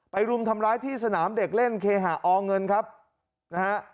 รุมทำร้ายที่สนามเด็กเล่นเคหาอเงินครับนะฮะ